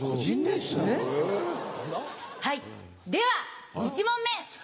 はいでは１問目！